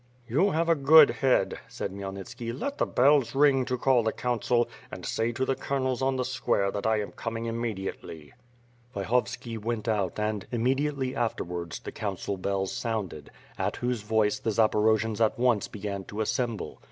"You have a good head," said Khmyelnitski, 'let the bells ring to call the council; and say to the colonels on the square that I am coming immediately.*^ WITH FIRE AND SWORD. 325 Vyhovski went out and, immediately afterwards, the coun cil bells sounded, at whose voice the Zaporojians at once began to assemble.